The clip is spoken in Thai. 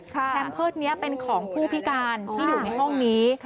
แพมเพิร์ตนี้เป็นของผู้พิการที่อยู่ในห้องนี้